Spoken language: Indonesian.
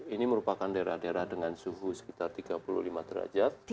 ini merupakan daerah daerah dengan suhu sekitar tiga puluh lima derajat